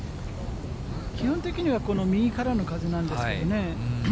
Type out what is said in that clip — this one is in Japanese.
基本的にはこの右からの風なんですけどね。